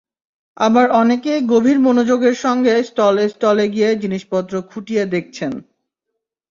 আবার অনেকে গভীর মনোযোগের সঙ্গে স্টলে স্টলে গিয়ে জিনিসপত্র খুঁটিয়ে দেখছেন।